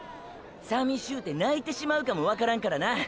さみしゅうて泣いてしまうかもわからんからな。